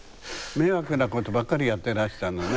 迷惑なことばかりやってらしたのね。